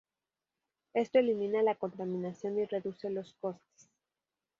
Esto elimina la contaminación y reduce los costes.